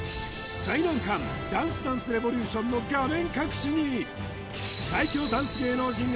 最難関ダンスダンスレボリューションの画面